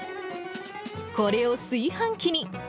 これを炊飯器に。